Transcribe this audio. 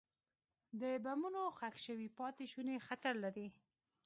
د بمونو ښخ شوي پاتې شوني خطر لري.